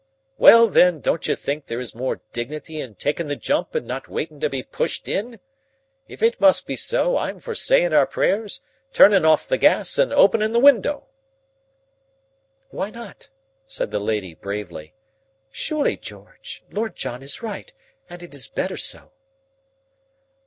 "Well, then, don't you think there is more dignity in takin' the jump and not waitin' to be pushed in? If it must be so, I'm for sayin' our prayers, turnin' off the gas, and openin' the window." "Why not?" said the lady bravely. "Surely, George, Lord John is right and it is better so."